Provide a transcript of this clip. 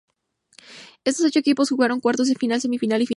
Estos ocho equipos jugaron cuartos de final, semifinal y final.